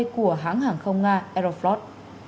nhiều chuyến bay của hãng hàng không nga aeroflot